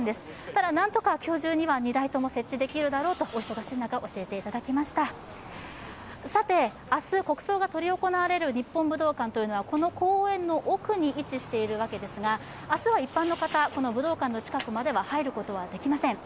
ただなんとか今日中には２台とも設置できるだろうと、お忙しい中、教えていただきました明日、国葬が執り行われる日本武道館はこの公園の奥に位置しているわけですが明日は一般の方、この武道館の近くまでは入ることはできません。